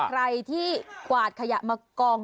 ใครที่กวาดขยะมากอง